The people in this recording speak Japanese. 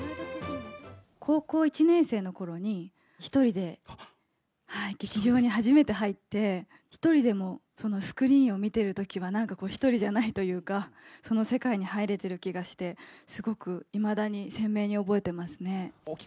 高校１年生のころに、１人で劇場に初めて入って、１人でもスクリーンを見てるときは、なんかこう、１人じゃないというか、その世界に入れてる気がして、すごくいまだに鮮明に覚えてますね。